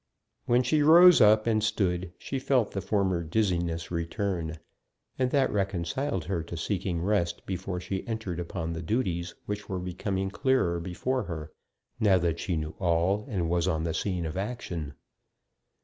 When she rose up and stood, she felt the former dizziness return, and that reconciled her to seeking rest before she entered upon the duties which were becoming clearer before her, now that she knew all and was on the scene of action.